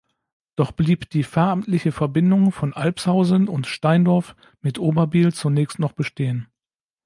Doch blieb die pfarramtliche Verbindung von Albshausen und Steindorf mit Oberbiel zunächst noch bestehen.